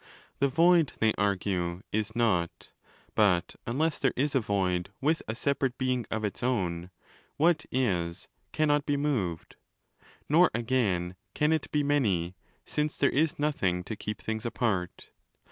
The void, they argue, 'is not': but unless there is a void with a5 separate being of its own, 'what is' cannot be moved—nor again can it be 'many', since there is nothing to keep things apart.